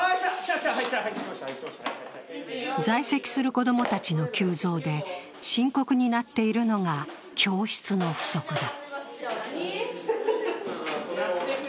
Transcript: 在籍する子供たちの急増で、深刻になっているのが教室の不足だ。